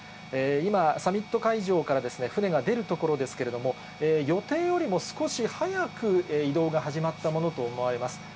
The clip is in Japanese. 今、サミット会場から船が出るところですけれども、予定よりも少し早く移動が始まったものと思われます。